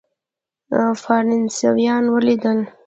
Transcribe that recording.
فرانسویان ولیدل.